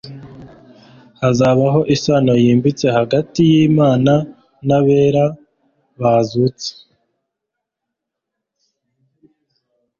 Hazabaho isano yimbitse hagati y'Imana n'abera bazutse.